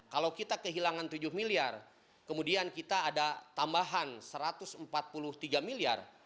kalau kita kehilangan tujuh miliar kemudian kita ada tambahan satu ratus empat puluh tiga miliar